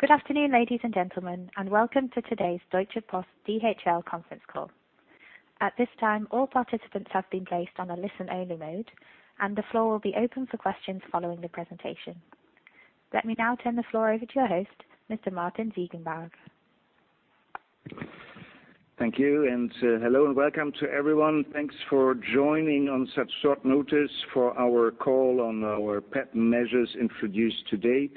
Good afternoon, ladies and gentlemen. Welcome to today's Deutsche Post DHL conference call. At this time, all participants have been placed on a listen-only mode. The floor will be open for questions following the presentation. Let me now turn the floor over to your host, Mr. Martin Ziegenbalg. Thank you. Hello, welcome to everyone. Thanks for joining on such short notice for our call on our P&P measures introduced today.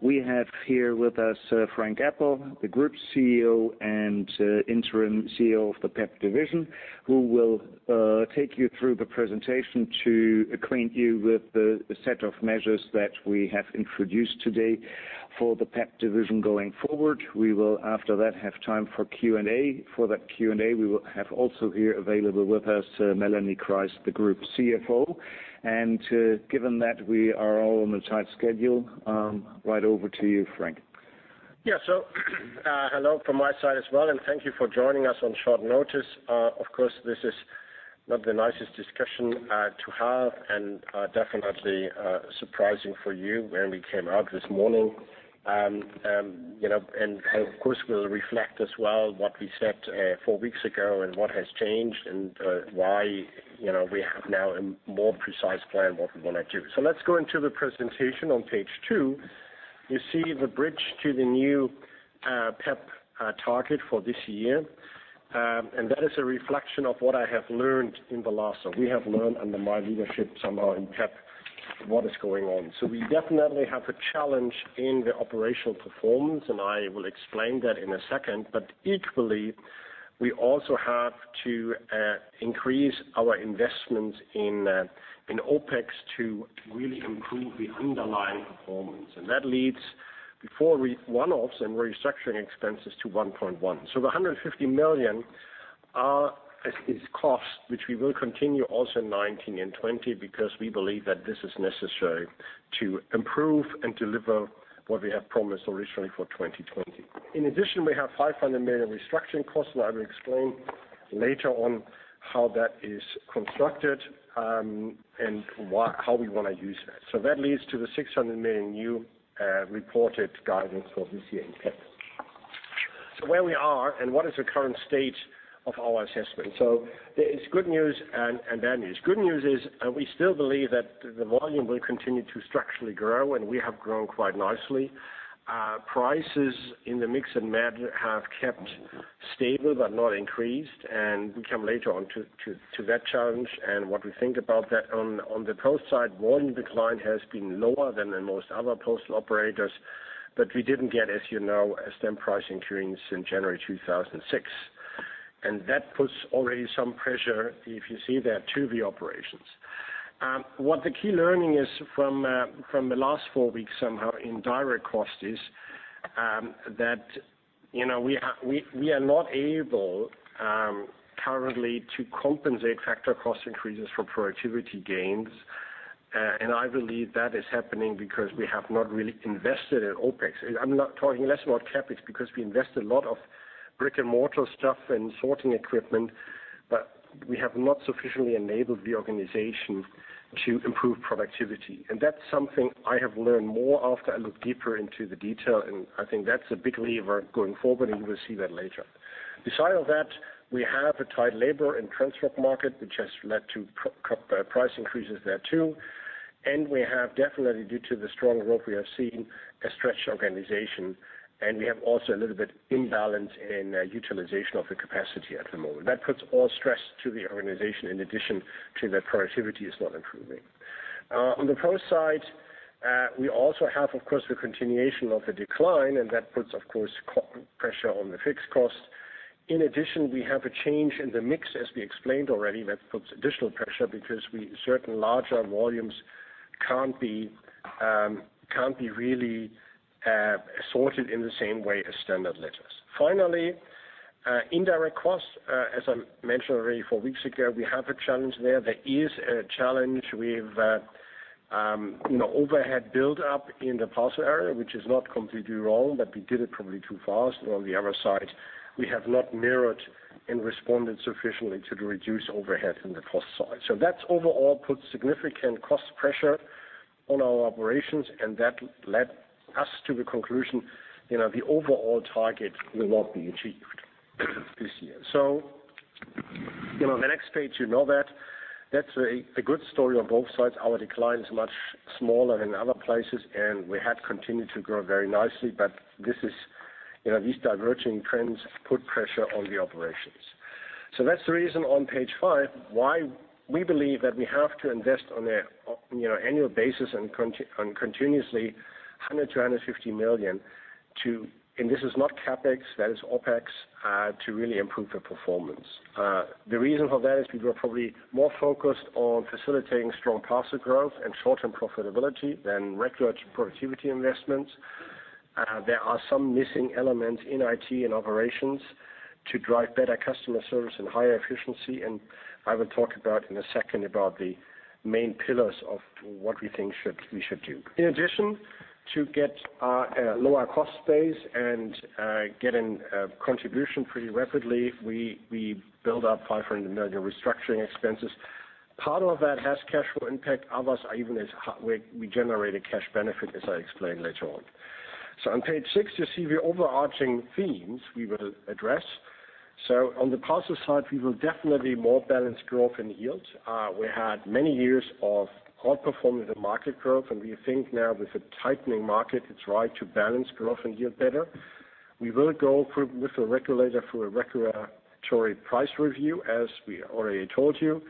We have here with us Frank Appel, the Group CEO and interim CEO of the P&P division, who will take you through the presentation to acquaint you with the set of measures that we have introduced today for the P&P division going forward. We will, after that, have time for Q&A. For that Q&A, we will have also here available with us Melanie Kreis, the Group CFO. Given that we are all on a tight schedule, right over to you, Frank. Hello from my side as well, and thank you for joining us on short notice. Of course, this is not the nicest discussion to have. Definitely surprising for you when we came out this morning. Of course, we'll reflect as well what we said four weeks ago. What has changed, and why we have now a more precise plan what we want to do. Let's go into the presentation. On Page two, you see the bridge to the new P&P target for this year. That is a reflection of what I have learned in the last. We have learned under my leadership somehow in P&P, what is going on. We definitely have a challenge in the operational performance, and I will explain that in a second. Equally, we also have to increase our investments in OpEx to really improve the underlying performance. That leads before one-offs and restructuring expenses to 1.1. The 150 million is costs, which we will continue also in 2019 and 2020 because we believe that this is necessary to improve and deliver what we have promised originally for 2020. In addition, we have 500 million restructuring costs, and I will explain later on how that is constructed, and how we want to use that. That leads to the 600 million new reported guidance for this year in P&P. Where we are and what is the current state of our assessment? There is good news and bad news. Good news is, we still believe that the volume will continue to structurally grow. We have grown quite nicely. Prices in the Mix and Mail have kept stable but not increased. We come later on to that challenge and what we think about that. On the Post side, volume decline has been lower than in most other postal operators, but we didn't get, as you know, a stamp price increase since January 2006. That puts already some pressure, if you see there, to the operations. What the key learning is from the last 4 weeks somehow in direct costs is that we are not able currently to compensate factor cost increases for productivity gains. I believe that is happening because we have not really invested in OpEx. I'm not talking less about CapEx because we invest a lot of brick-and-mortar stuff and sorting equipment, but we have not sufficiently enabled the organization to improve productivity. That's something I have learned more after I look deeper into the detail, and I think that's a big lever going forward. We will see that later. Beside of that, we have a tight labor and transport market, which has led to price increases there, too. We have definitely, due to the strong growth we have seen, a stretched organization. We have also a little bit imbalance in utilization of the capacity at the moment. That puts all stress to the organization in addition to the productivity is not improving. On the Post side, we also have, of course, the continuation of the decline. That puts, of course, pressure on the fixed cost. In addition, we have a change in the mix, as we explained already. That puts additional pressure because certain larger volumes can't be really sorted in the same way as standard letters. Finally, indirect costs, as I mentioned already 4 weeks ago, we have a challenge there. There is a challenge with overhead buildup in the parcel area, which is not completely wrong, but we did it probably too fast. On the other side, we have not mirrored and responded sufficiently to reduce overhead in the cost side. That's overall put significant cost pressure on our operations. That led us to the conclusion, the overall target will not be achieved this year. On the next page, you know that. That's a good story on both sides. Our decline is much smaller than other places. We have continued to grow very nicely. These diverging trends put pressure on the operations. That's the reason on Page five why we believe that we have to invest on an annual basis and continuously 100 million to 150 million to, this is not CapEx, that is OpEx, to really improve the performance. The reason for that is we were probably more focused on facilitating strong parcel growth and short-term profitability than regular productivity investments. There are some missing elements in IT and operations to drive better customer service and higher efficiency. I will talk about in a second about the main pillars of what we think we should do. In addition, to get a lower cost base and get in contribution pretty rapidly, we build up 500 million restructuring expenses. Part of that has cash flow impact. Others, even as we generate a cash benefit, as I explain later on. On page six, you see the overarching themes we will address. On the parcel side, we will definitely more balance growth and yield. We had many years of outperforming the market growth, and we think now with a tightening market, it is right to balance growth and yield better. We will go with the regulator for a regulatory price review, as we already told you.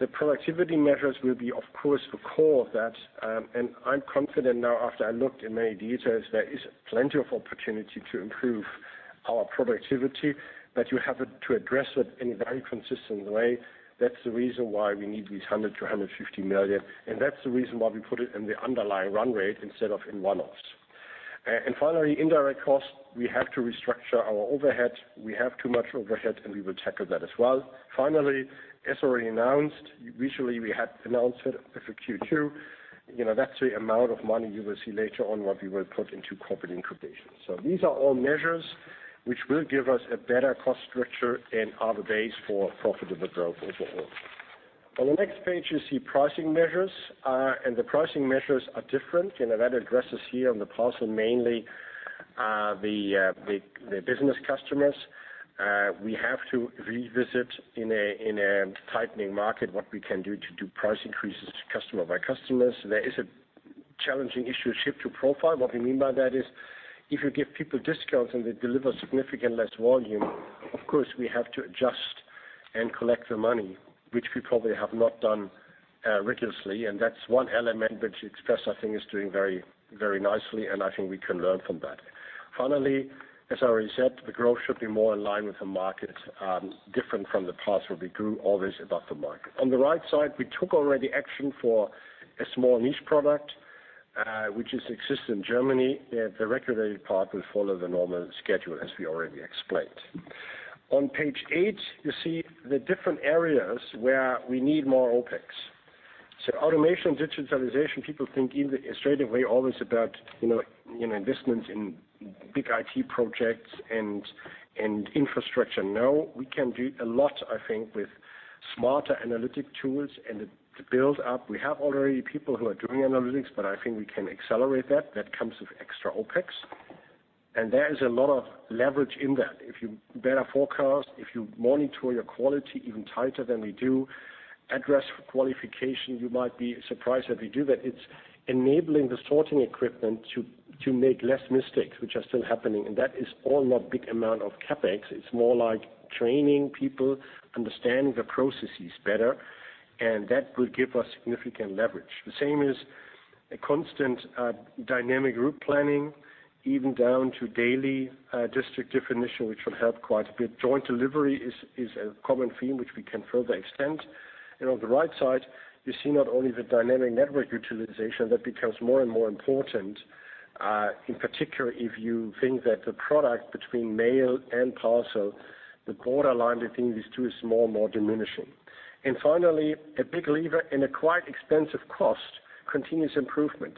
The productivity measures will be, of course, a core of that. I am confident now after I looked in many details, there is plenty of opportunity to improve our productivity, but you have to address it in a very consistent way. That is the reason why we need these 100 million to 150 million, and that is the reason why we put it in the underlying run rate instead of in one-offs. Finally, indirect costs. We have to restructure our overhead. We have too much overhead, and we will tackle that as well. Finally, as already announced, visually, we had announced it as of Q2. That is the amount of money you will see later on what we will put into corporate incubation. These are all measures which will give us a better cost structure and are the base for profitable growth overall. On the next page, you see pricing measures. The pricing measures are different. That addresses here on the parcel, mainly the business customers. We have to revisit in a tightening market, what we can do to do price increases customer by customers. There is a challenging issue, shift to profile. What we mean by that is if you give people discounts, and they deliver significant less volume, of course, we have to adjust and collect the money, which we probably have not done rigorously. That is one element which Express, I think, is doing very nicely, and I think we can learn from that. Finally, as I already said, the growth should be more in line with the market, different from the past, where we grew always above the market. On the right side, we took already action for a small niche product, which is existent in Germany. The regulatory part will follow the normal schedule, as we already explained. On page eight, you see the different areas where we need more OpEx. Automation, digitalization, people think in a straightaway always about investment in big IT projects and infrastructure. No, we can do a lot, I think, with smarter analytic tools and to build up. We have already people who are doing analytics, but I think we can accelerate that. That comes with extra OpEx. There is a lot of leverage in that. If you better forecast, if you monitor your quality even tighter than we do, address qualification, you might be surprised that we do that. It is enabling the sorting equipment to make less mistakes, which are still happening. That is all not big amount of CapEx. It is more like training people, understanding the processes better, and that will give us significant leverage. The same is a constant dynamic route planning, even down to daily district definition, which will help quite a bit. Joint delivery is a common theme which we can further extend. On the right side, you see not only the dynamic network utilization, that becomes more and more important, in particular, if you think that the product between mail and parcel, the borderline between these two is more and more diminishing. Finally, a big lever and a quite expensive cost, continuous improvement.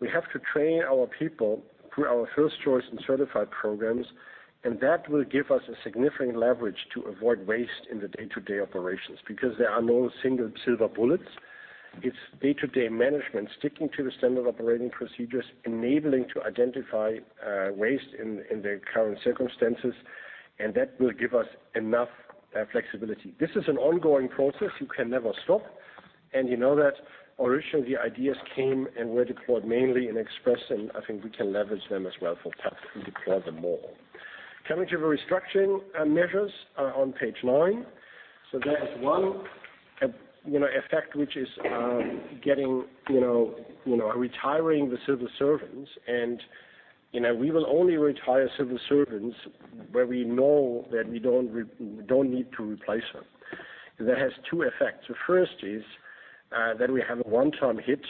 We have to train our people through our First Choice and certified programs, and that will give us a significant leverage to avoid waste in the day-to-day operations, because there are no single silver bullets. It's day-to-day management, sticking to the standard operating procedures, enabling to identify waste in the current circumstances, and that will give us enough flexibility. This is an ongoing process. You can never stop. You know that originally ideas came and were deployed mainly in Express, and I think we can leverage them as well for Pack and deploy them more. Coming to the restructuring measures on page nine. That is one effect which is retiring the civil servants. We will only retire civil servants where we know that we don't need to replace them. That has two effects. The first is that we have a one-time hit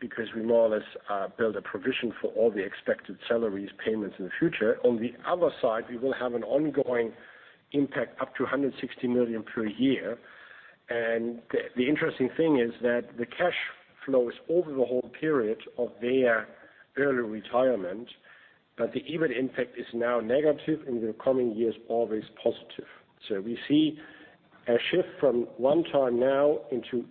because we more or less build a provision for all the expected salaries, payments in the future. On the other side, we will have an ongoing impact up to 160 million per year. The interesting thing is that the cash flows over the whole period of their early retirement, but the EBIT impact is now negative, in the coming years, always positive. We see a shift from one time now into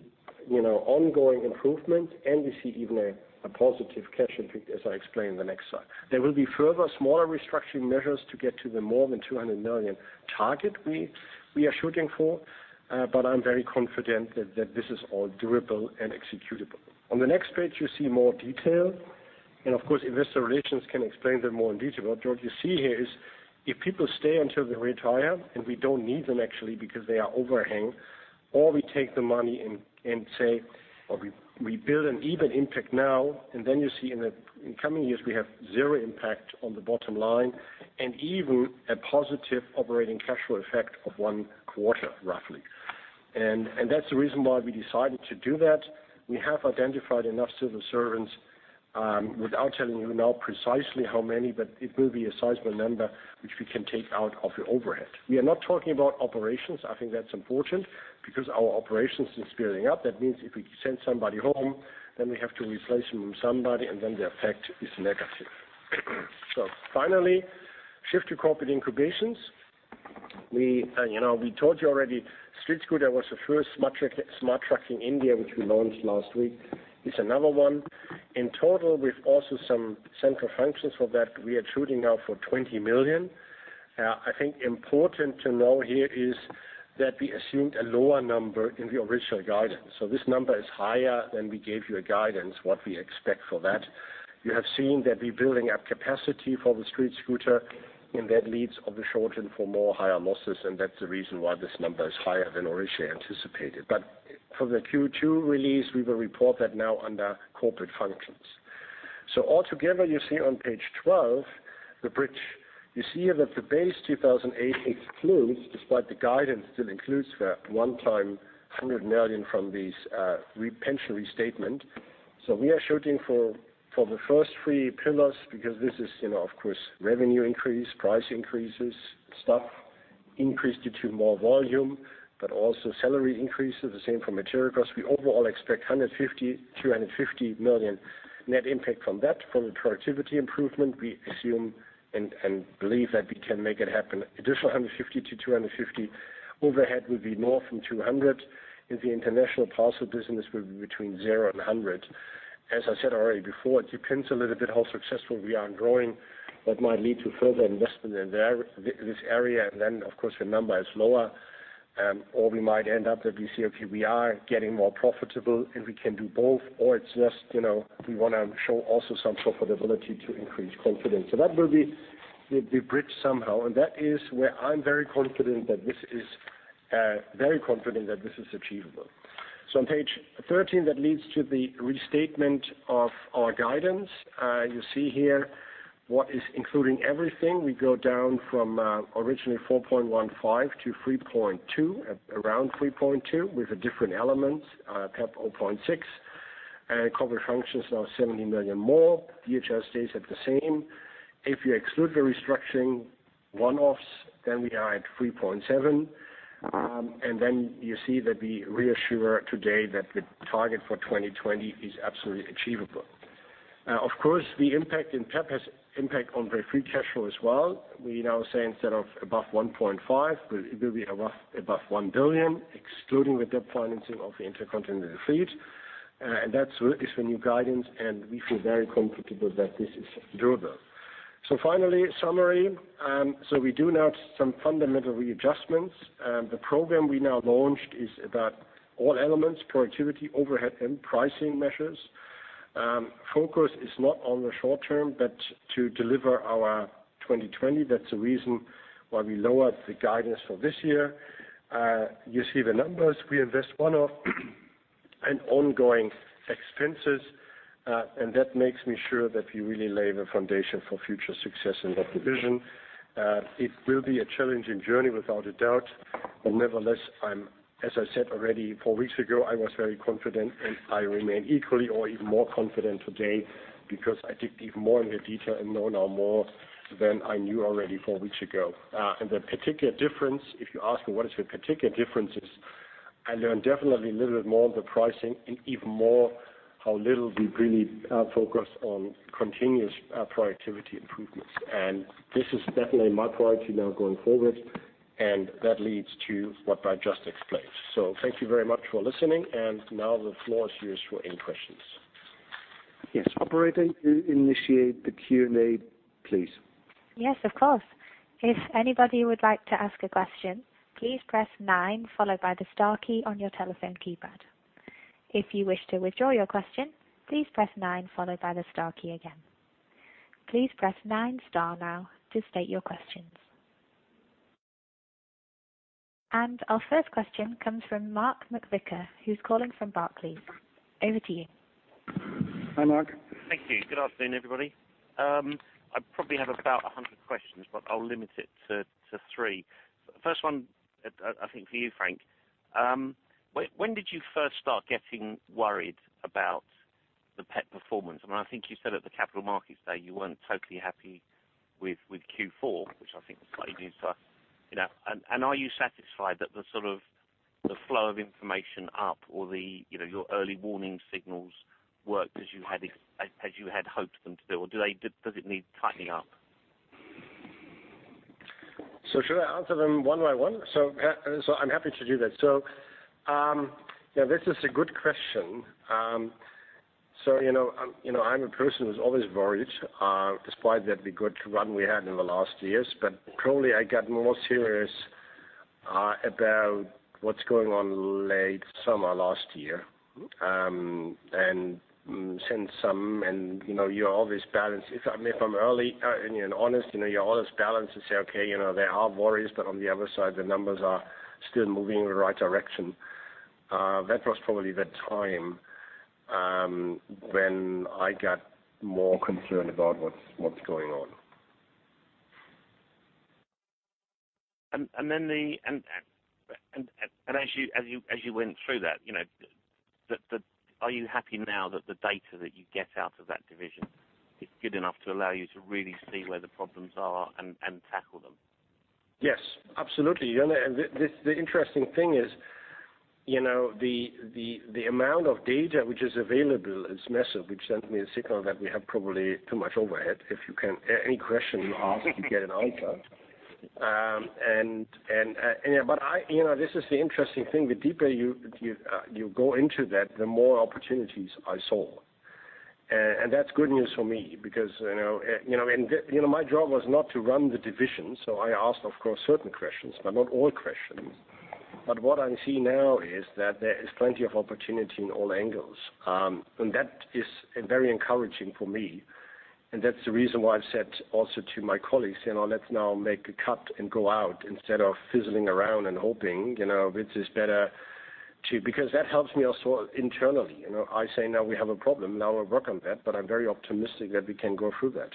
ongoing improvement, and we see even a positive cash impact, as I explain in the next slide. There will be further smaller restructuring measures to get to the more than 200 million target we are shooting for, but I'm very confident that this is all doable and executable. On the next page, you see more detail. Of course, investor relations can explain them more in detail. What you see here is if people stay until they retire, and we don't need them actually because they are overhang, or we take the money and say, or we build an EBIT impact now, and then you see in the coming years, we have zero impact on the bottom line and even a positive operating cash flow effect of one quarter, roughly. That's the reason why we decided to do that. We have identified enough civil servants, without telling you now precisely how many, but it will be a sizable number which we can take out of the overhead. We are not talking about operations. I think that's important because our operations is scaling up. That means if we send somebody home, then we have to replace them with somebody, and then the effect is negative. Finally, shift to corporate incubations. We told you already, StreetScooter was the first smart truck in India, which we launched last week, is another one. In total, with also some central functions for that, we are shooting now for 20 million. I think important to know here is that we assumed a lower number in the original guidance. This number is higher than we gave you a guidance, what we expect for that. You have seen that we're building up capacity for the StreetScooter and that leads on the short-term for more higher losses. That's the reason why this number is higher than originally anticipated. For the Q2 release, we will report that now under corporate functions. Altogether, you see on page 12, the bridge. You see that the base 2018 excludes, despite the guidance still includes the one time, 100 million from these pension restatement. We are shooting for the first three pillars because this is, of course, revenue increase, price increases, staff increased due to more volume, but also salary increases. The same for material costs. We overall expect 250 million net impact from that. From the productivity improvement, we assume and believe that we can make it happen. Additional 150-250. Overhead will be north from 200. In the international parcel business will be between zero and 100. As I said already before, it depends a little bit how successful we are in growing. That might lead to further investment in this area, and then, of course, the number is lower. Or we might end up that we say, "Okay, we are getting more profitable, and we can do both," or it's just, we want to show also some profitability to increase confidence. That will be the bridge somehow, and that is where I'm very confident that this is achievable. On page 13, that leads to the restatement of our guidance. You see here what is including everything. We go down from originally 4.15 to 3.2, around 3.2 with the different elements, P&P 0.6, corporate functions now 70 million more. DHL stays at the same. If you exclude the restructuring one-offs, then we are at 3.7. You see that we reassure today that the target for 2020 is absolutely achievable. Of course, the impact in P&P has impact on the free cash flow as well. We now say instead of above 1.5, it will be above 1 billion, excluding the debt financing of the intercontinental fleet. That is the new guidance, and we feel very comfortable that this is doable. Finally, summary. We do now some fundamental readjustments. The program we now launched is about all elements, productivity, overhead, and pricing measures. Focus is not on the short-term, but to deliver our 2020. That's the reason why we lowered the guidance for this year. You see the numbers. We invest one-off and ongoing expenses. That makes me sure that we really lay the foundation for future success in that division. It will be a challenging journey without a doubt. Nevertheless, as I said already four weeks ago, I was very confident, and I remain equally or even more confident today because I dig even more in the detail and know now more than I knew already four weeks ago. The particular difference, if you ask what is the particular differences, I learned definitely a little bit more on the pricing and even more how little we really focus on continuous productivity improvements. This is definitely my priority now going forward, and that leads to what I just explained. Thank you very much for listening, and now the floor is yours for any questions. Yes. Operator, initiate the Q&A, please. Yes, of course. If anybody would like to ask a question, please press nine followed by the star key on your telephone keypad. If you wish to withdraw your question, please press nine followed by the star key again. Please press nine star now to state your questions. Our first question comes from Mark McVicar, who's calling from Barclays. Over to you. Hi, Mark. Thank you. Good afternoon, everybody. I probably have about 100 questions, but I'll limit it to three. First one, I think for you, Frank. When did you first start getting worried about the P&P performance? I think you said at the Capital Markets Day, you weren't totally happy with Q4, which I think slightly alludes to. Are you satisfied that the flow of information up or your early warning signals worked as you had hoped them to do? Or does it need tightening up? Should I answer them one by one? I'm happy to do that. This is a good question. I'm a person who's always worried, despite that the good run we had in the last years. Probably I got more serious about what's going on late summer last year. You always balance. If I'm early and honest, you always balance and say, "Okay, there are worries, but on the other side, the numbers are still moving in the right direction." That was probably the time when I got more concerned about what's going on. As you went through that, are you happy now that the data that you get out of that division is good enough to allow you to really see where the problems are and tackle them? Yes, absolutely. The interesting thing is the amount of data which is available is massive, which sends me a signal that we have probably too much overhead. Any question you ask, you get an answer. This is the interesting thing. The deeper you go into that, the more opportunities I saw. That's good news for me because my job was not to run the division. I asked, of course, certain questions, but not all questions. What I'm seeing now is that there is plenty of opportunity in all angles. That is very encouraging for me, and that's the reason why I've said also to my colleagues, "Let's now make a cut and go out instead of fizzling around and hoping." Because that helps me also internally. I say, now we have a problem, now we work on that, but I'm very optimistic that we can go through that.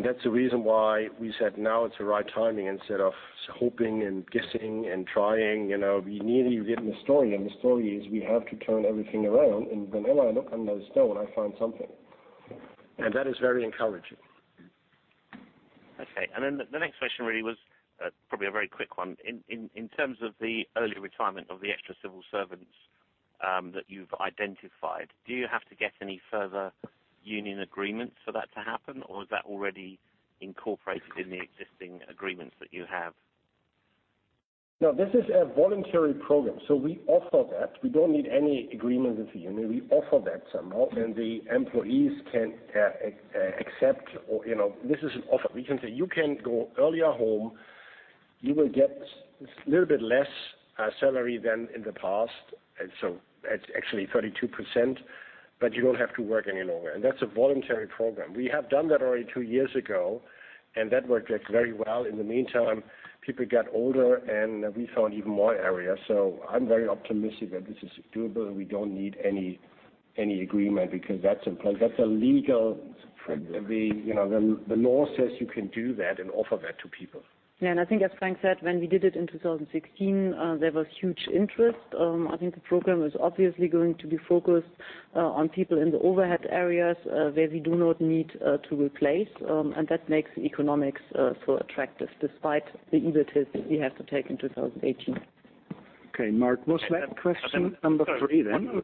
That's the reason why we said now it's the right timing instead of hoping and guessing and trying. We needed to get the story, and the story is we have to turn everything around. Whenever I look under a stone, I find something. That is very encouraging. Then the next question really was probably a very quick one. In terms of the early retirement of the extra civil servants that you've identified, do you have to get any further union agreements for that to happen, or is that already incorporated in the existing agreements that you have? No, this is a voluntary program, so we offer that. We don't need any agreement with the union. We offer that somehow, and the employees can accept. This is an offer. We can say, you can go earlier home. You will get a little bit less salary than in the past, that's actually 32%, but you don't have to work any longer. That's a voluntary program. We have done that already 2 years ago, and that worked out very well. In the meantime, people got older, and we found even more areas. I'm very optimistic that this is doable, and we don't need any agreement because that's in place. That's legal. The law says you can do that and offer that to people. Yeah, I think as Frank said, when we did it in 2016, there was huge interest. I think the program is obviously going to be focused on people in the overhead areas where we do not need to replace. That makes the economics so attractive despite the EBIT that we have to take in 2018. Okay, Mark, what's that question number 3 then?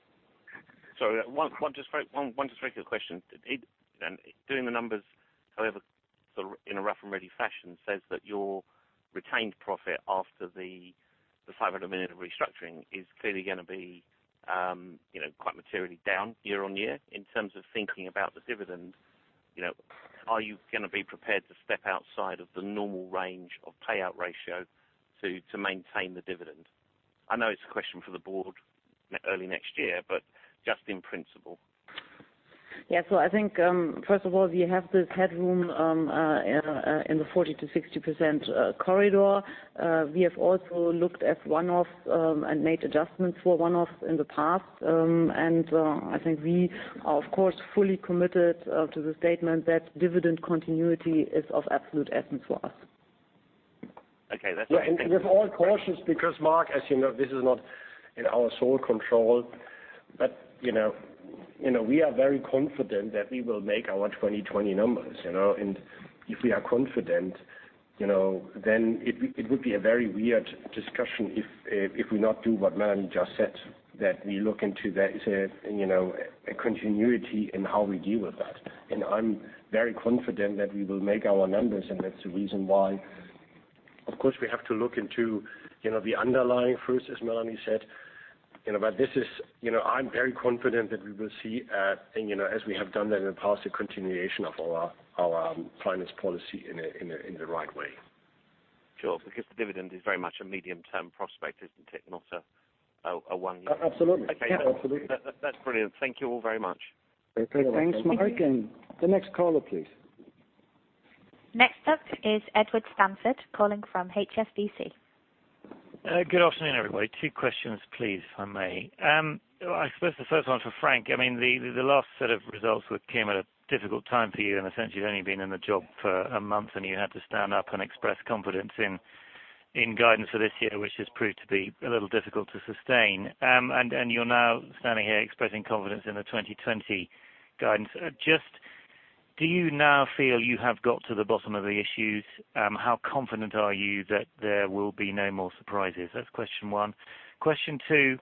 Sorry. One, just very quick question. Doing the numbers, however, sort of in a rough and ready fashion, says that your retained profit after the 500 million of restructuring is clearly going to be quite materially down year-on-year. In terms of thinking about the dividend, are you going to be prepared to step outside of the normal range of payout ratio to maintain the dividend? I know it's a question for the board early next year, but just in principle. Yeah. I think, first of all, we have this headroom in the 40%-60% corridor. We have also looked at one-off and made adjustments for one-off in the past. I think we are, of course, fully committed to the statement that dividend continuity is of absolute essence for us. Okay. With all cautions, because Mark, as you know, this is not in our sole control. We are very confident that we will make our 2020 numbers. If we are confident, then it would be a very weird discussion if we not do what Melanie just said, that we look into that as a continuity in how we deal with that. I'm very confident that we will make our numbers, that's the reason why, of course, we have to look into the underlying first, as Melanie said. I'm very confident that we will see as we have done that in the past, a continuation of our finance policy in the right way. Sure. Because the dividend is very much a medium-term prospect, isn't it? Absolutely. Okay. Yeah, absolutely. That's brilliant. Thank you all very much. Okay. Thanks, Mark. Thank you. The next caller, please. Next up is Edward Stanford calling from HSBC. Good afternoon, everybody. Two questions please, if I may. I suppose the first one's for Frank. The last set of results came at a difficult time for you in the sense you've only been in the job for a month, and you had to stand up and express confidence in guidance for this year, which has proved to be a little difficult to sustain. You're now standing here expressing confidence in the 2020 guidance. Just do you now feel you have got to the bottom of the issues? How confident are you that there will be no more surprises? That's question one. Question two,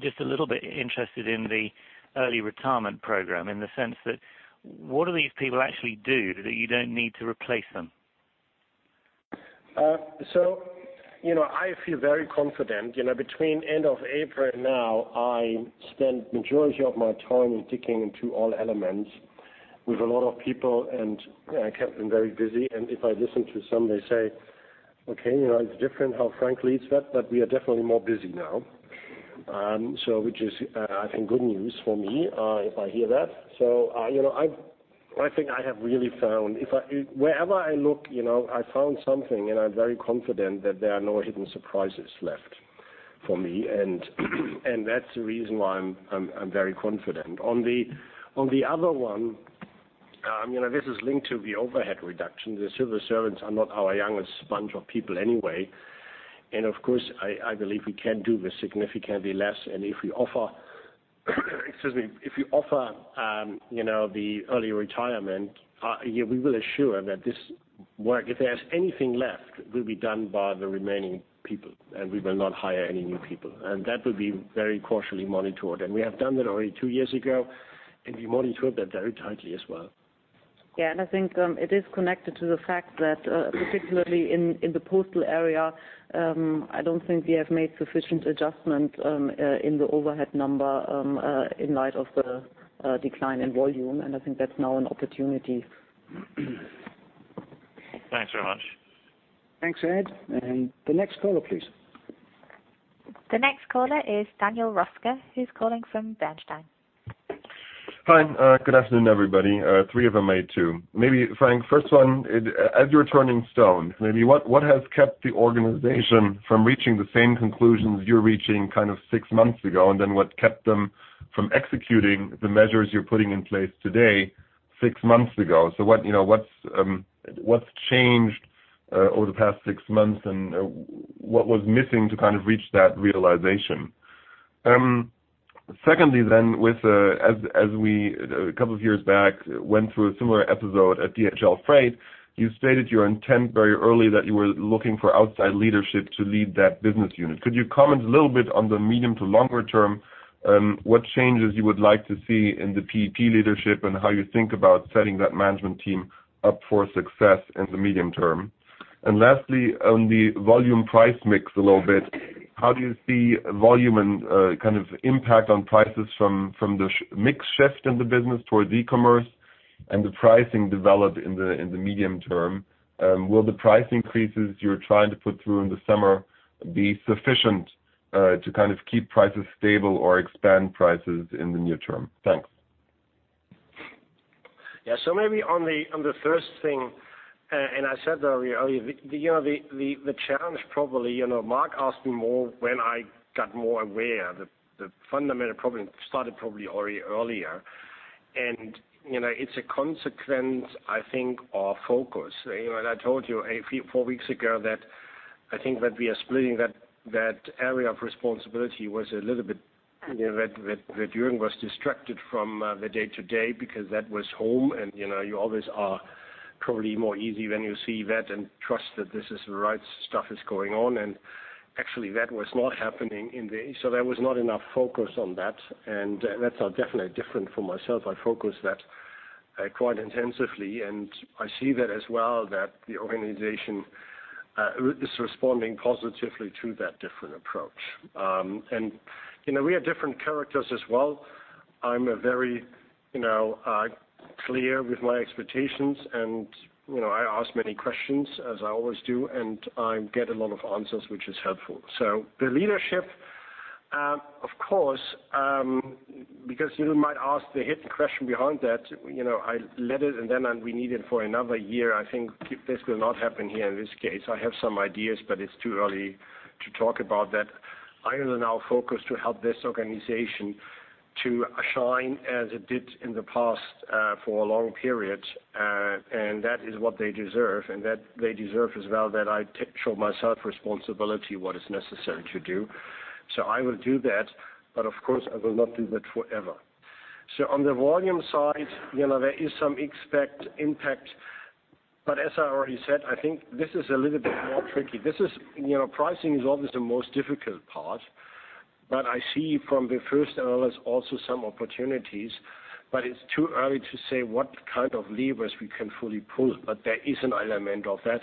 just a little bit interested in the early retirement program in the sense that what do these people actually do that you don't need to replace them? I feel very confident. Between end of April and now, I spent majority of my time in digging into all elements with a lot of people, and I kept them very busy. If I listen to some, they say, "Okay, it's different how Frank leads that, but we are definitely more busy now." Which is, I think, good news for me if I hear that. I think I have really found wherever I look I found something, and I'm very confident that there are no hidden surprises left for me. That's the reason why I'm very confident. On the other one, this is linked to the overhead reduction. The civil servants are not our youngest bunch of people anyway. Of course, I believe we can do with significantly less. If we offer Excuse me. If you offer the early retirement, we will assure that this work, if there's anything left, will be done by the remaining people, and we will not hire any new people. That will be very cautiously monitored. We have done that already two years ago, and we monitored that very tightly as well. Yeah. I think, it is connected to the fact that, particularly in the postal area, I don't think we have made sufficient adjustment in the overhead number in light of the decline in volume. I think that's now an opportunity. Thanks very much. Thanks, Ed. The next caller, please. The next caller is Daniel Röska, who's calling from Bernstein. Hi. Good afternoon, everybody. Three for Mei, too. Maybe, Frank, first one, as you're turning stone, maybe what has kept the organization from reaching the same conclusions you're reaching kind of six months ago? What kept them from executing the measures you're putting in place today, six months ago? What's changed over the past six months, and what was missing to kind of reach that realization? Secondly then, as we, a couple of years back, went through a similar episode at DHL Freight, you stated your intent very early that you were looking for outside leadership to lead that business unit. Could you comment a little bit on the medium to longer term, what changes you would like to see in the P&P leadership and how you think about setting that management team up for success in the medium term? Lastly, on the volume price mix a little bit, how do you see volume and kind of impact on prices from the mix shift in the business towards e-commerce and the pricing developed in the medium term? Will the price increases you're trying to put through in the summer be sufficient to kind of keep prices stable or expand prices in the near term? Thanks. Yeah. Maybe on the first thing, I said earlier, the challenge probably, Mark asked me more when I got more aware. The fundamental problem started probably already earlier. It's a consequence, I think, of focus. I told you four weeks ago that I think that we are splitting that area of responsibility was a little bit, that Jürgen was distracted from the day-to-day because that was home and you always are probably more easy when you see that and trust that this is the right stuff is going on. Actually, that was not happening in the. There was not enough focus on that, and that's definitely different for myself. I focus that quite intensively, and I see that as well, that the organization is responding positively to that different approach. We are different characters as well. I'm very clear with my expectations, I ask many questions, as I always do, I get a lot of answers, which is helpful. The leadership, of course, because you might ask the hidden question behind that. I let it. Then we need it for another year. I think this will not happen here in this case. I have some ideas, but it's too early to talk about that. I am now focused to help this organization to shine as it did in the past, for a long period. That is what they deserve, and that they deserve as well that I show myself responsibility, what is necessary to do. I will do that, but of course, I will not do that forever. On the volume side, there is some impact. As I already said, I think this is a little bit more tricky. Pricing is always the most difficult part, I see from the first analysis also some opportunities. It's too early to say what kind of levers we can fully pull, there is an element of that.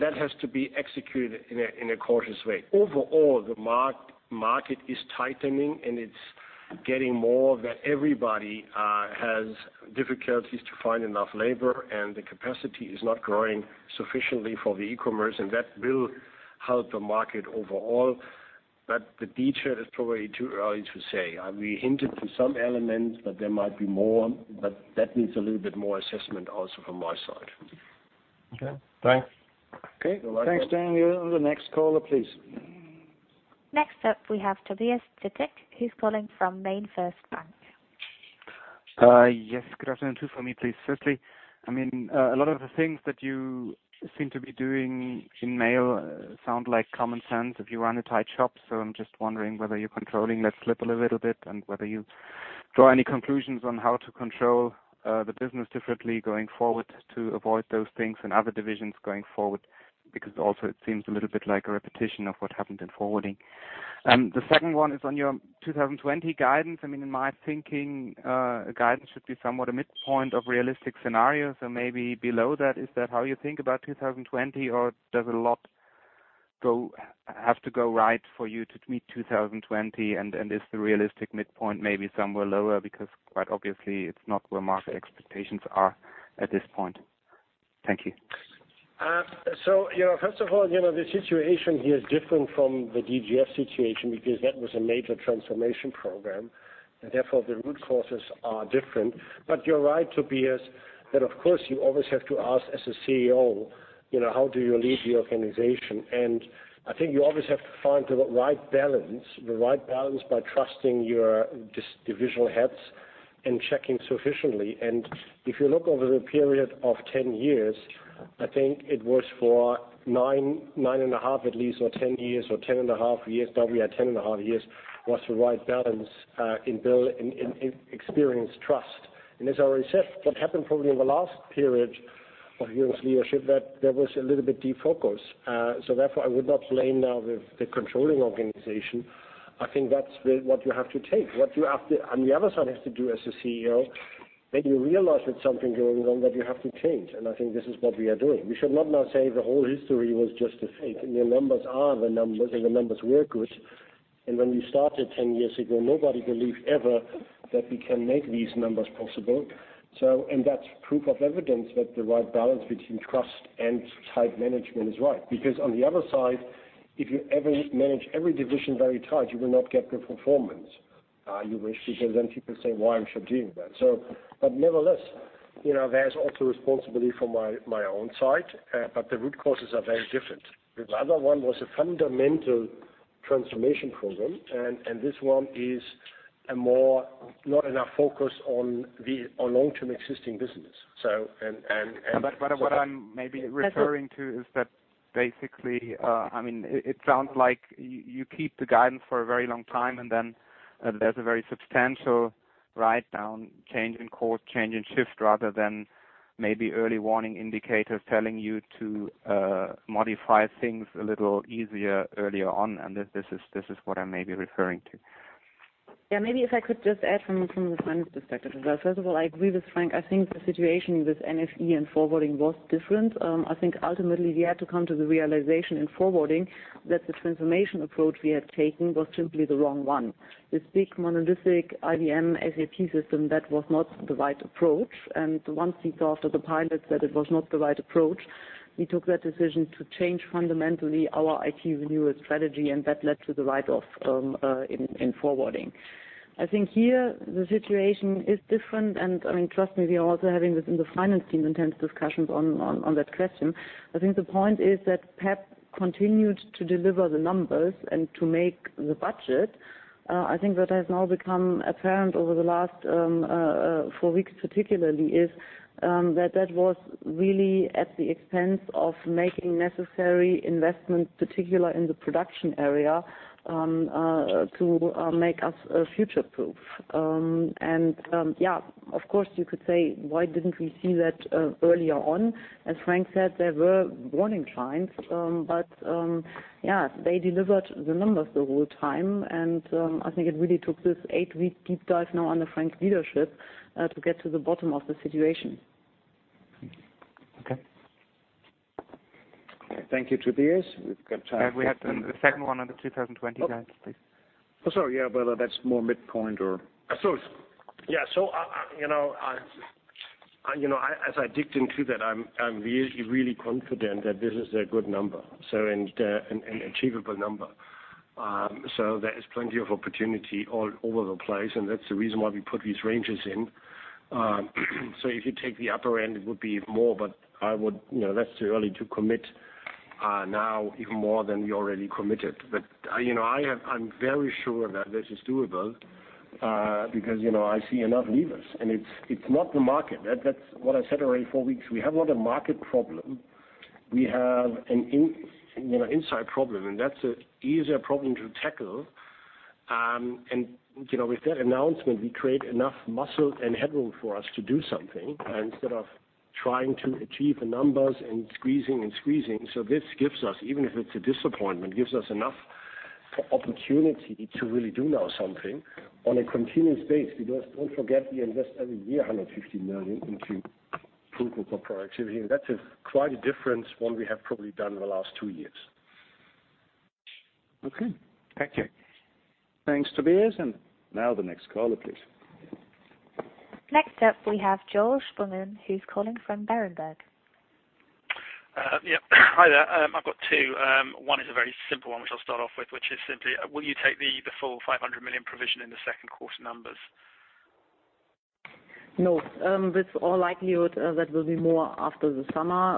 That has to be executed in a cautious way. Overall, the market is tightening, it's getting more that everybody has difficulties to find enough labor, the capacity is not growing sufficiently for the e-commerce, that will help the market overall. The detail is probably too early to say. We hinted to some elements that there might be more, that needs a little bit more assessment also from my side. Okay, thanks. Okay. Thanks, Daniel. The next caller, please. Next up, we have Tobias Stettner, who is calling from MainFirst Bank. Yes, good afternoon. Two for me, please. Firstly, a lot of the things that you seem to be doing in Mail sound like common sense if you run a tight shop. I am just wondering whether you are controlling that slip a little bit, and whether you draw any conclusions on how to control the business differently going forward to avoid those things in other divisions going forward, it seems a little bit like a repetition of what happened in Forwarding. The second one is on your 2020 guidance. In my thinking, guidance should be somewhat a midpoint of realistic scenarios. Maybe below that, is that how you think about 2020, or does a lot have to go right for you to meet 2020? Is the realistic midpoint maybe somewhere lower? Quite obviously, it is not where market expectations are at this point. Thank you. First of all, the situation here is different from the DGF situation that was a major transformation program and the root causes are different. You are right, Tobias, that of course you always have to ask as a CEO, how do you lead the organization? I think you always have to find the right balance. The right balance by trusting your divisional heads checking sufficiently. If you look over the period of 10 years, I think it was for nine and a half at least, or 10 years, or 10 and a half years. We had 10 and a half years was the right balance in build and experience trust. As I already said, what happened probably in the last period of Jürgen's leadership, there was a little bit defocus. Therefore, I would not blame now the controlling organization. I think that's what you have to take. What you on the other side, have to do as a CEO, when you realize that something going wrong, that you have to change. I think this is what we are doing. We should not now say the whole history was just a fake, and the numbers are the numbers, and the numbers were good. When we started 10 years ago, nobody believed ever that we can make these numbers possible. That's proof of evidence that the right balance between trust and tight management is right. On the other side, if you ever manage every division very tight, you will not get good performance. You wish, because then people say, why I should doing that? Nevertheless, there's also responsibility for my own side. The root causes are very different. The other one was a fundamental transformation program, and this one is a more, not enough focus on long-term existing business. What I'm maybe referring to is that basically, it sounds like you keep the guidance for a very long time, and then there's a very substantial write-down, change in course, change in shift, rather than maybe early warning indicators telling you to modify things a little easier earlier on. This is what I may be referring to. Maybe if I could just add from the finance perspective as well. First of all, I agree with Frank. I think the situation with NFE and Forwarding was different. I think ultimately we had to come to the realization in Forwarding that the transformation approach we had taken was simply the wrong one. This big monolithic IBM SAP system, that was not the right approach. Once we saw through the pilot that it was not the right approach, we took that decision to change fundamentally our IT renewal strategy, and that led to the write-off in Forwarding. I think here the situation is different, and trust me, we are also having this in the finance team, intense discussions on that question. I think the point is that P&P continued to deliver the numbers and to make the budget. I think what has now become apparent over the last four weeks particularly is that was really at the expense of making necessary investments, particular in the production area, to make us future-proof. Yeah, of course you could say, why didn't we see that earlier on? As Frank said, there were warning signs. Yeah, they delivered the numbers the whole time, and I think it really took this eight-week deep dive now under Frank's leadership to get to the bottom of the situation. Okay. Thank you, Tobias. We've got time We have the second one on the 2020 guidance, please. Oh. Yeah, that's more midpoint or? As I digged into that, I'm really confident that this is a good number, and achievable number. There is plenty of opportunity all over the place, and that's the reason why we put these ranges in. If you take the upper end, it would be more, but that's too early to commit now even more than we already committed. But I'm very sure that this is doable, because I see enough levers. It's not the market. That's what I said already four weeks. We have not a market problem. We have an inside problem, and that's a easier problem to tackle. With that announcement, we create enough muscle and headroom for us to do something instead of trying to achieve the numbers and squeezing and squeezing. This gives us, even if it's a disappointment, gives us enough opportunity to really do now something on a continuous base. Don't forget, we invest every year 150 million into improvement of productivity. That's a quite a difference one we have probably done in the last two years. Okay. Thank you. Thanks, Tobias. Now the next caller, please. Next up, we have Joel Spungin, who is calling from Berenberg. Yeah. Hi there. I have got two. One is a very simple one, which I will start off with, which is simply, will you take the full 500 million provision in the second quarter numbers? No. With all likelihood, that will be more after the summer.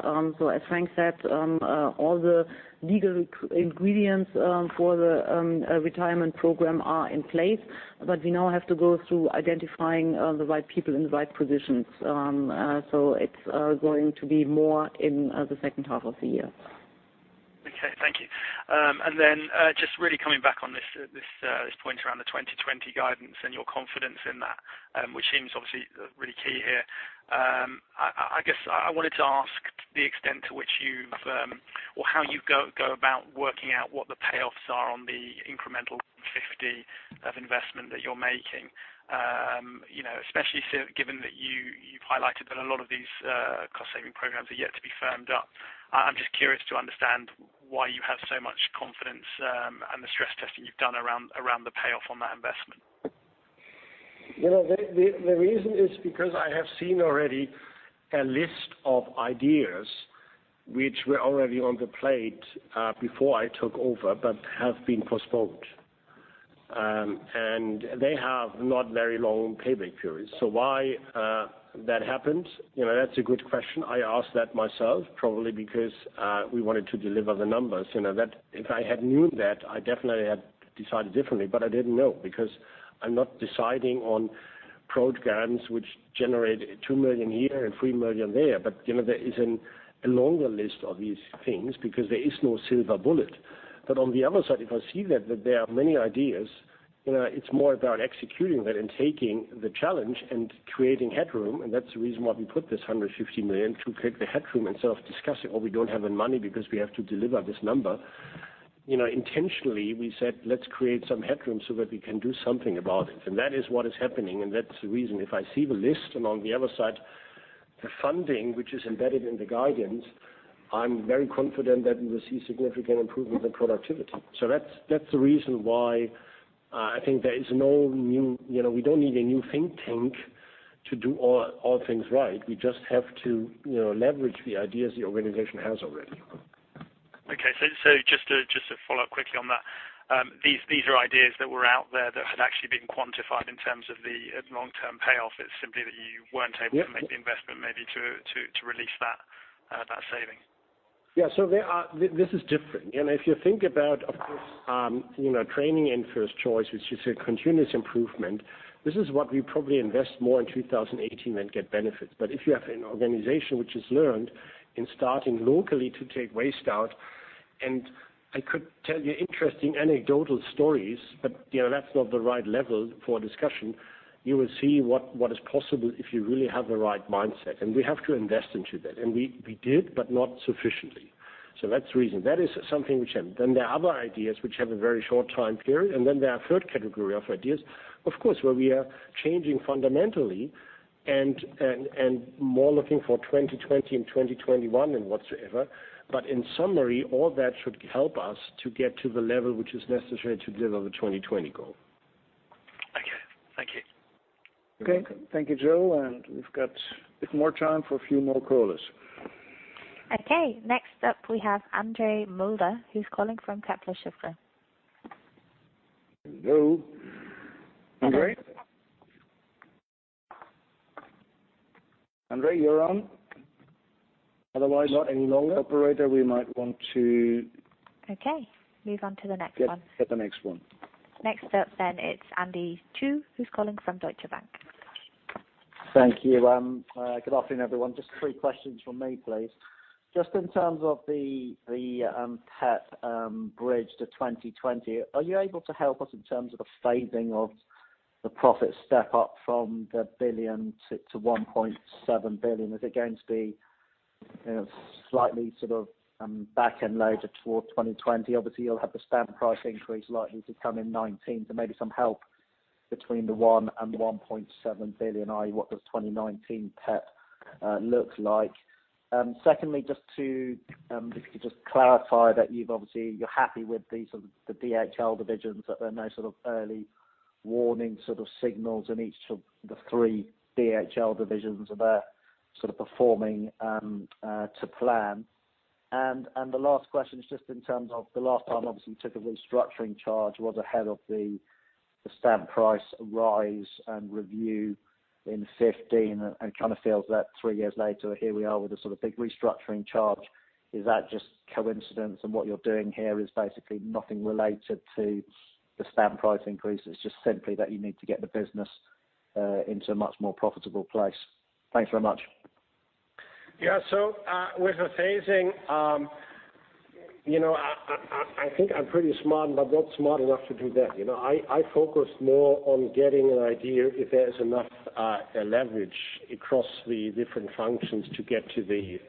As Frank said, all the legal ingredients for the retirement program are in place. We now have to go through identifying the right people in the right positions. It is going to be more in the second half of the year. Okay, thank you. Just really coming back on this point around the 2020 guidance and your confidence in that, which seems obviously really key here. I guess I wanted to ask the extent to which you have, or how you go about working out what the payoffs are on the incremental 50 of investment that you are making. Especially given that you have highlighted that a lot of these cost saving programs are yet to be firmed up. I am just curious to understand why you have so much confidence, and the stress testing you have done around the payoff on that investment. The reason is because I have seen already a list of ideas which were already on the plate before I took over, but have been postponed. They have not very long payback periods. Why that happened? That's a good question. I ask that myself. Probably because we wanted to deliver the numbers. If I had knew that, I definitely had decided differently, but I didn't know. I'm not deciding on Programs which generate 2 million here and 3 million there. There is a longer list of these things because there is no silver bullet. On the other side, if I see that there are many ideas, it's more about executing that and taking the challenge and creating headroom. That's the reason why we put this 150 million to create the headroom instead of discussing, oh, we don't have the money because we have to deliver this number. Intentionally, we said, let's create some headroom so that we can do something about it. That is what is happening, and that's the reason. If I see the list and on the other side, the funding which is embedded in the guidance, I'm very confident that we will see significant improvement in productivity. That's the reason why I think we don't need a new think tank to do all things right. We just have to leverage the ideas the organization has already. Okay. Just to follow up quickly on that. These are ideas that were out there that had actually been quantified in terms of the long-term payoff. It's simply that you weren't able- Yes to make the investment maybe to release that saving. Yeah. This is different. If you think about, of course, training in First Choice, which is a continuous improvement, this is what we probably invest more in 2018 and get benefits. If you have an organization which has learned in starting locally to take waste out, and I could tell you interesting anecdotal stories, but that's not the right level for discussion. You will see what is possible if you really have the right mindset. We have to invest into that. We did, but not sufficiently. That's the reason. That is something which happened. There are other ideas which have a very short time period, and there are a third category of ideas, of course, where we are changing fundamentally and more looking for 2020 and 2021 and whatsoever. In summary, all that should help us to get to the level which is necessary to deliver the 2020 goal. Okay. Thank you. Okay. Thank you, Joe. We've got a bit more time for a few more callers. Okay. Next up, we have Andre Mulder, who's calling from Kepler Cheuvreux. Hello? Andre? Andre, you're on. Otherwise not any longer. Operator, we might want to- Okay. Move on to the next one. Get the next one. Next up, it is Andy Chu, who is calling from Deutsche Bank. Thank you. Good afternoon, everyone. Three questions from me, please. In terms of the P&P bridge to 2020, are you able to help us in terms of the phasing of the profit step-up from 1 billion to 1.7 billion? Is it going to be slightly backend loaded toward 2020? Obviously, you will have the stamp price increase likely to come in 2019, so maybe some help between 1 billion and 1.7 billion, i.e., what does 2019 P&P look like? If you could just clarify that you are happy with the DHL divisions, that there are no sort of early warning signals in each of the three DHL divisions, are they sort of performing to plan? The last question is in terms of the last time, obviously, you took a restructuring charge was ahead of the stamp price rise and review in 2015 and kind of feels that three years later, here we are with a sort of big restructuring charge. Is that coincidence and what you are doing here is basically nothing related to the stamp price increase, it is just simply that you need to get the business into a much more profitable place? Thanks very much. With the phasing, I think I am pretty smart, but not smart enough to do that. I focus more on getting an idea if there is enough leverage across the different functions to get to the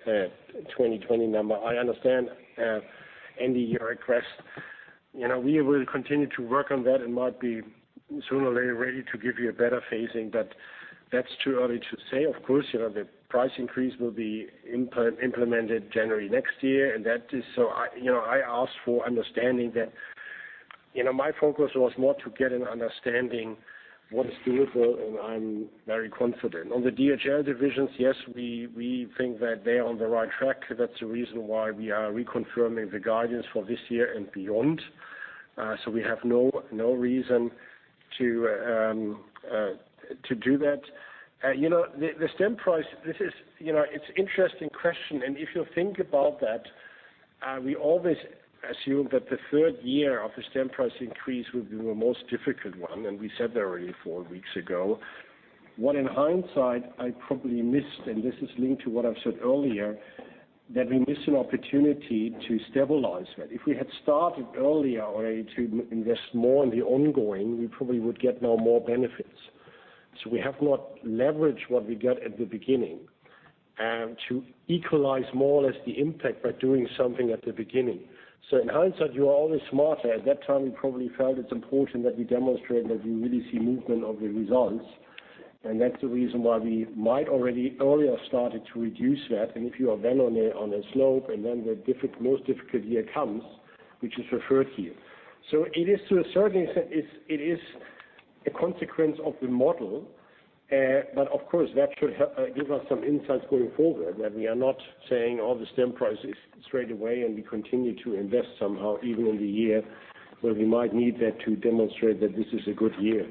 2020 number. I understand, Andy, your request. We will continue to work on that and might be sooner or later ready to give you a better phasing, but that is too early to say. Of course, the price increase will be implemented January next year, and that is so. I ask for understanding that my focus was more to get an understanding what is doable, and I am very confident. On the DHL divisions, yes, we think that they are on the right track. That is the reason why we are reconfirming the guidance for this year and beyond. We have no reason to do that. The stamp price. It is interesting question. If you think about that, we always assume that the third year of the stamp price increase will be the most difficult one, and we said that already four weeks ago. What in hindsight I probably missed, and this is linked to what I've said earlier, that we missed an opportunity to stabilize that. If we had started earlier already to invest more in the ongoing, we probably would get now more benefits. We have not leveraged what we got at the beginning to equalize more or less the impact by doing something at the beginning. In hindsight, you are always smarter. At that time, we probably felt it's important that we demonstrate that we really see movement of the results, and that's the reason why we might already earlier started to reduce that. If you are then on a slope, and then the most difficult year comes, which is referred here. It is to a certain extent, it is a consequence of the model. Of course, that should give us some insights going forward that we are not saying all the stamp price is straight away, and we continue to invest somehow even in the year where we might need that to demonstrate that this is a good year.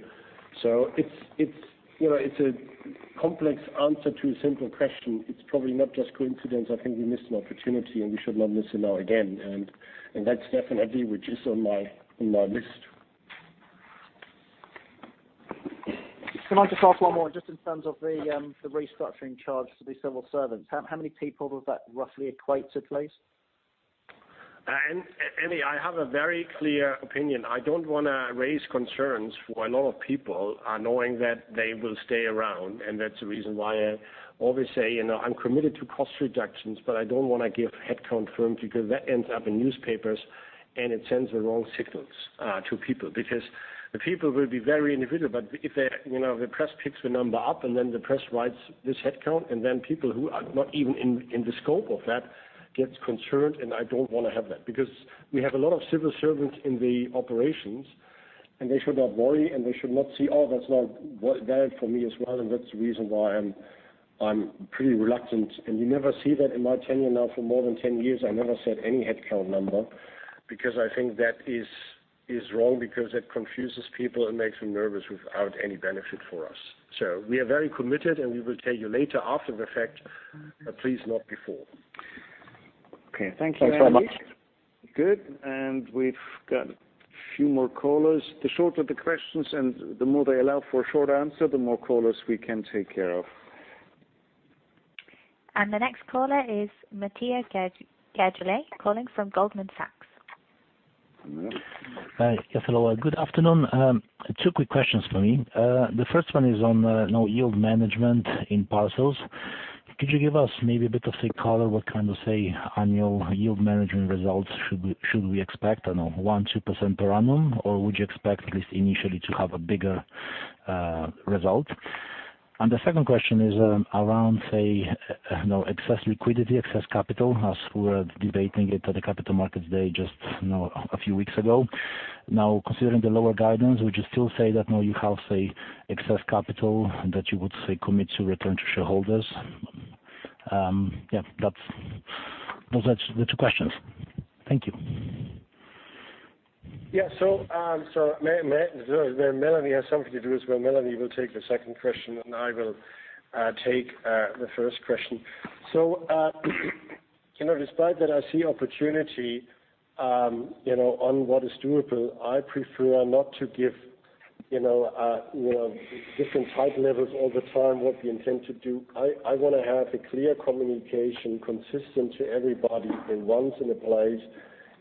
It's a complex answer to a simple question. It's probably not just coincidence. I think we missed an opportunity, and we should not miss it now again. That's definitely what is on my list. Can I just ask one more, just in terms of the restructuring charge to the civil servants. How many people would that roughly equate to, please? Andy, I have a very clear opinion. I don't want to raise concerns for a lot of people, knowing that they will stay around. That's the reason why I always say, I'm committed to cost reductions, but I don't want to give headcount figures, because that ends up in newspapers and it sends the wrong signals to people. The people will be very individual, but if the press picks the number up and then the press writes this headcount, and then people who are not even in the scope of that get concerned. I don't want to have that. We have a lot of civil servants in the operations, and they should not worry and they should not say, "Oh, that's not valid for me as well." That's the reason why I'm pretty reluctant. You never see that in my tenure now for more than 10 years. I never said any headcount number because I think that is wrong because it confuses people and makes them nervous without any benefit for us. We are very committed, and we will tell you later after the fact, but please not before. Okay. Thank you, Andy. Thanks very much. Good. We've got a few more callers. The shorter the questions and the more they allow for a short answer, the more callers we can take care of. Matthias Gerstle, calling from Goldman Sachs. Hi. Yes, hello. Good afternoon. Two quick questions for me. The first one is on yield management in parcels. Could you give us maybe a bit of color what kind of, say, annual yield management results should we expect? I don't know, 1%, 2% per annum, or would you expect at least initially to have a bigger result? The second question is around, say, excess liquidity, excess capital, as we were debating it at the Capital Markets Day just a few weeks ago. Now, considering the lower guidance, would you still say that now you have excess capital that you would commit to return to shareholders? Those are the two questions. Thank you. Melanie has something to do as well. Melanie Kreis will take the second question, and I will take the first question. Despite that I see opportunity on what is doable, I prefer not to give different type levels all the time, what we intend to do. I want to have a clear communication consistent to everybody at once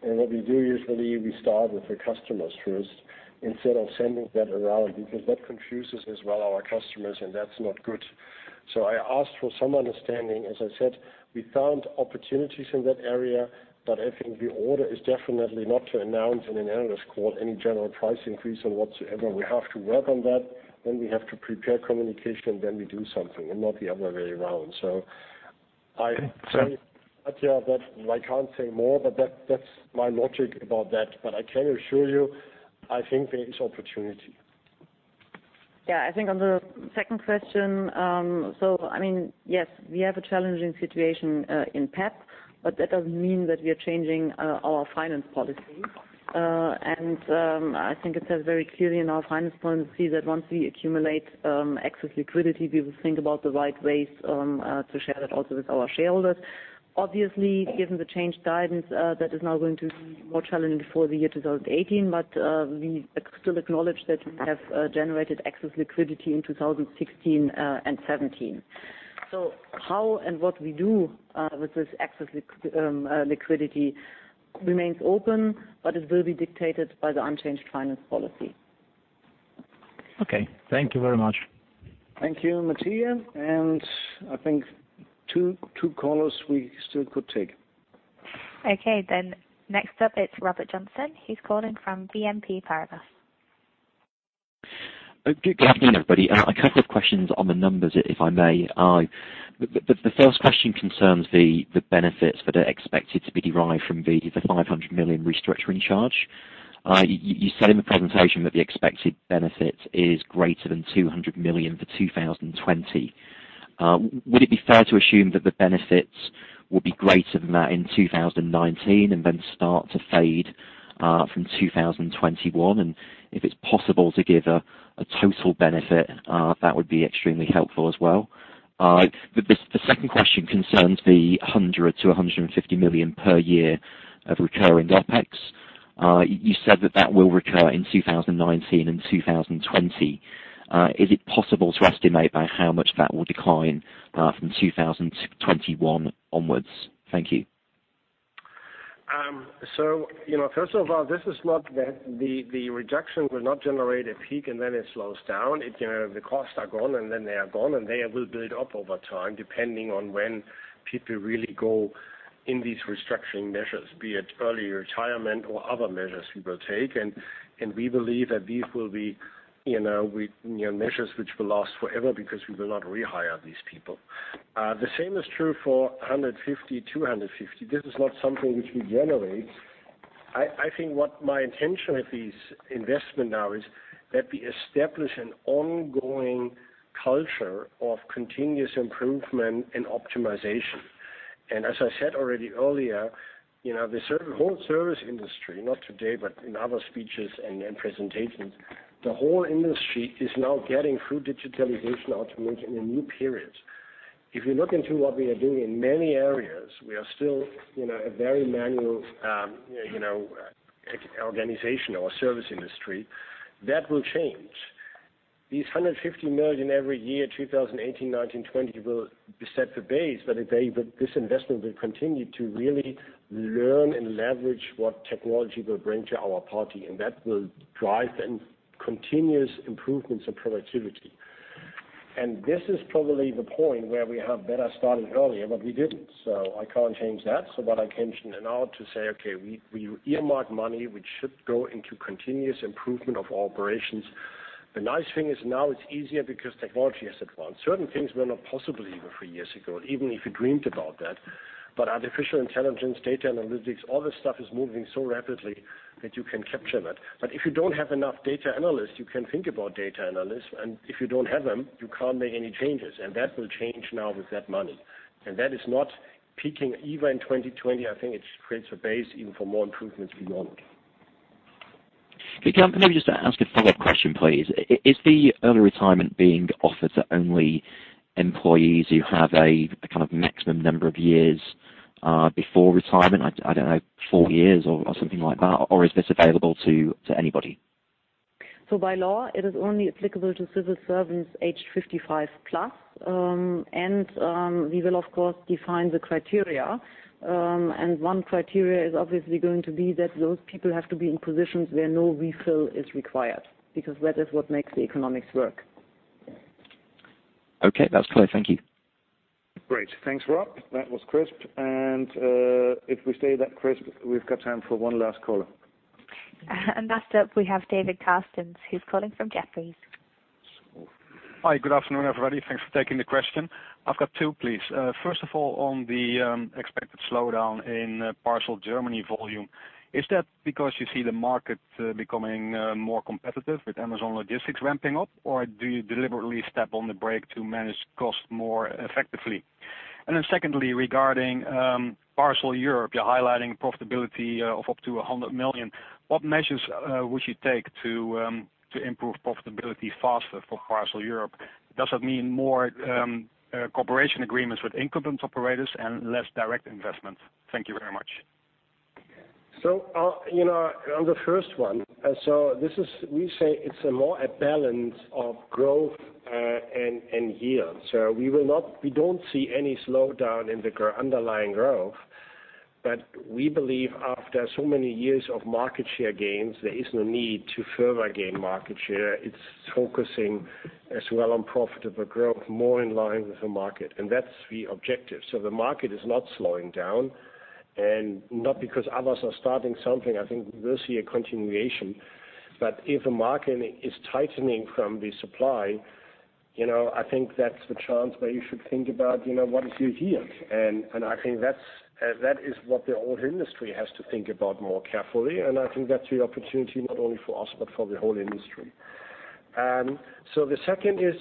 and applies. What we do usually, we start with the customers first instead of sending that around, because that confuses as well our customers, and that's not good. I ask for some understanding. As I said, we found opportunities in that area, but I think the order is definitely not to announce in an analyst call any general price increase whatsoever. We have to work on that, then we have to prepare communication, then we do something and not the other way around. I say, Matthias Gerstle, that I can't say more, but that's my logic about that. I can assure you, I think there is opportunity. I think on the second question. Yes, we have a challenging situation in P&P, but that doesn't mean that we are changing our finance policy. I think it says very clearly in our finance policy that once we accumulate excess liquidity, we will think about the right ways to share that also with our shareholders. Obviously, given the changed guidance, that is now going to be more challenging for the year 2018. We still acknowledge that we have generated excess liquidity in 2016 and '17. How and what we do with this excess liquidity remains open, but it will be dictated by the unchanged finance policy. Thank you very much. Thank you, Matthias. I think two callers we still could take. Next up, it's Robert Joynson. He's calling from BNP Paribas. Good afternoon, everybody. A couple of questions on the numbers, if I may. The first question concerns the benefits that are expected to be derived from the 500 million restructuring charge. You said in the presentation that the expected benefit is greater than 200 million for 2020. Would it be fair to assume that the benefits will be greater than that in 2019 and then start to fade from 2021? If it's possible to give a total benefit, that would be extremely helpful as well. The second question concerns the 100 million-150 million per year of recurring OpEx. You said that that will recur in 2019 and 2020. Is it possible to estimate by how much that will decline from 2021 onwards? Thank you. First of all, the reduction will not generate a peak and then it slows down. The costs are gone, then they are gone, they will build up over time, depending on when people really go in these restructuring measures, be it early retirement or other measures we will take. We believe that these will be measures which will last forever because we will not rehire these people. The same is true for 150, 250. This is not something which we generate. I think what my intention with this investment now is that we establish an ongoing culture of continuous improvement and optimization. As I said already earlier, the whole service industry, not today, but in other speeches and presentations, the whole industry is now getting through digitalization, automation, a new period. If you look into what we are doing in many areas, we are still a very manual organization or service industry. That will change. These 150 million every year, 2018, 2019, 2020, will set the base, but this investment will continue to really learn and leverage what technology will bring to our party, and that will drive continuous improvements in productivity. This is probably the point where we have better started earlier, but we didn't. I can't change that. What I can change now to say, "Okay, we earmark money, which should go into continuous improvement of operations." The nice thing is now it's easier because technology has advanced. Certain things were not possible even three years ago, even if you dreamed about that. Artificial intelligence, data analytics, all this stuff is moving so rapidly that you can capture that. If you don't have enough data analysts, you can think about data analysts, and if you don't have them, you can't make any changes. That will change now with that money. That is not peaking even in 2020. I think it creates a base even for more improvements beyond. Can I just ask a follow-up question, please? Is the early retirement being offered to only employees who have a maximum number of years, before retirement, I don't know, four years or something like that? Or is this available to anybody? By law, it is only applicable to civil servants age 55+. We will, of course, define the criteria. One criteria is obviously going to be that those people have to be in positions where no refill is required, because that is what makes the economics work. Okay. That's clear. Thank you. Great. Thanks, Rob. That was crisp. If we stay that crisp, we've got time for one last caller. Last up, we have David Kerstens, who's calling from Jefferies. Hi. Good afternoon, everybody. Thanks for taking the question. I've got two, please. First of all, on the expected slowdown in Parcel Germany volume, is that because you see the market becoming more competitive with Amazon Logistics ramping up, or do you deliberately step on the brake to manage costs more effectively? Secondly, regarding Parcel Europe, you're highlighting profitability of up to 100 million. What measures would you take to improve profitability faster for Parcel Europe? Does that mean more cooperation agreements with incumbent operators and less direct investment? Thank you very much. On the first one, we say it's more a balance of growth and yield. We don't see any slowdown in the underlying growth, but we believe after so many years of market share gains, there is no need to further gain market share. It's focusing as well on profitable growth more in line with the market, and that's the objective. The market is not slowing down and not because others are starting something. I think we will see a continuation. If a market is tightening from the supply, I think that's the chance where you should think about what is your yield. I think that is what the whole industry has to think about more carefully. I think that's the opportunity not only for us but for the whole industry. The second is,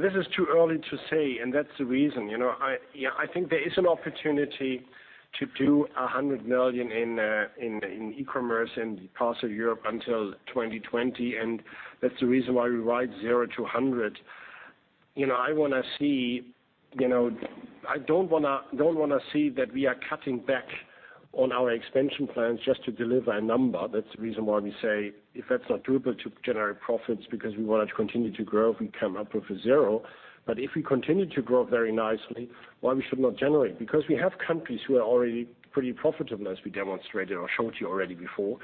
this is too early to say, and that's the reason. I think there is an opportunity to do 100 million in e-commerce in Parcel Europe until 2020, and that's the reason why we write 0 to 100. I don't want to see that we are cutting back on our expansion plans just to deliver a number. That's the reason why we say, if that's not doable to generate profits because we wanted to continue to grow, we come up with a 0. If we continue to grow very nicely, why we should not generate? We have countries who are already pretty profitable, as we demonstrated or showed you already before.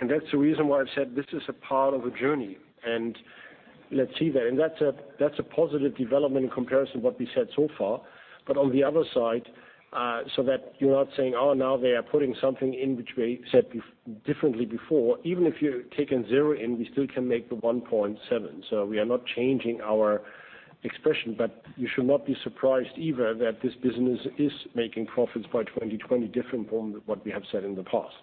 That's the reason why I've said this is a part of a journey, and let's see then. That's a positive development in comparison to what we said so far. On the other side, so that you're not saying, "Oh, now they are putting something in which we said differently before." Even if you've taken 0 in, we still can make the 1.7. We are not changing our expression, but you should not be surprised either that this business is making profits by 2020 different from what we have said in the past.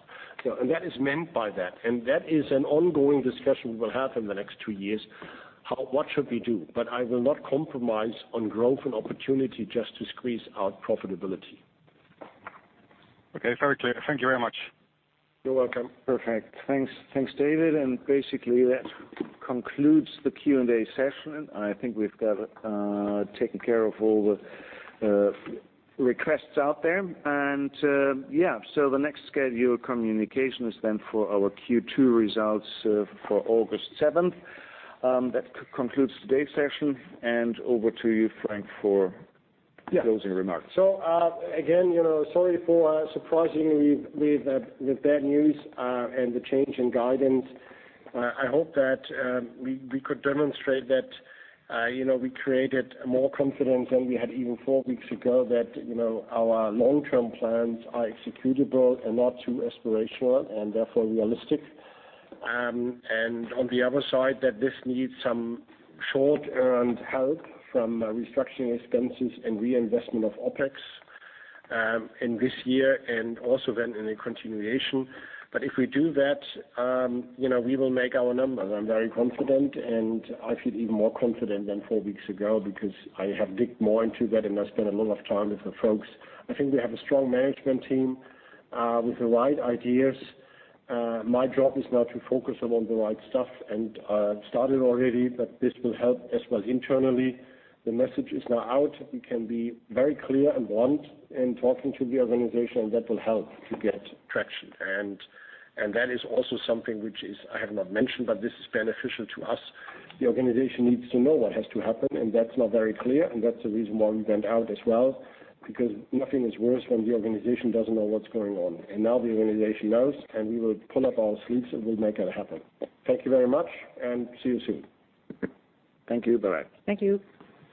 That is meant by that. That is an ongoing discussion we will have in the next two years. What should we do? I will not compromise on growth and opportunity just to squeeze out profitability. Very clear. Thank you very much. You're welcome. Perfect. Thanks, David. Basically, that concludes the Q&A session. I think we've taken care of all the requests out there. The next scheduled communication is then for our Q2 results for August 7th. That concludes today's session. Over to you, Frank, for closing remarks. Again, sorry for surprising you with bad news, and the change in guidance. I hope that we could demonstrate that we created more confidence than we had even four weeks ago, that our long-term plans are executable and not too aspirational and therefore realistic. On the other side, that this needs some short-term help from restructuring expenses and reinvestment of OpEx, in this year and also then in a continuation. If we do that, we will make our numbers. I'm very confident, and I feel even more confident than four weeks ago because I have digged more into that, and I spent a lot of time with the folks. I think we have a strong management team, with the right ideas. My job is now to focus them on the right stuff, and I started already, but this will help as well internally. The message is now out. We can be very clear and blunt in talking to the organization, and that will help to get traction. That is also something which I have not mentioned, but this is beneficial to us. The organization needs to know what has to happen, and that's now very clear, and that's the reason why we went out as well, because nothing is worse when the organization doesn't know what's going on. Now the organization knows, and we will pull up our sleeves, and we'll make it happen. Thank you very much, and see you soon. Thank you. Bye. Thank you.